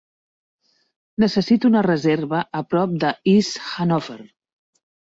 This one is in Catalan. Necessito una reserva a prop de East Hanover.